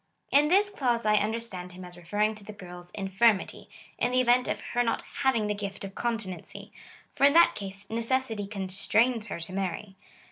In this clause I un derstand him as referring to the girl's infirmity — in the event of her not having the gift of continency ; for in that case, necessity constrains her to marry.